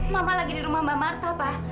mama lagi di rumah mbak marta pak